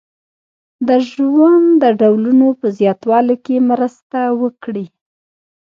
د ژوند د ډولونو په زیاتوالي کې مرسته وکړي.